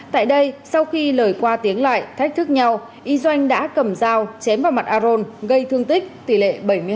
tại đây sau khi lời qua tiếng lại thách thức nhau y doanh đã cầm dao chém vào mặt aron gây thương tích tỷ lệ bảy mươi năm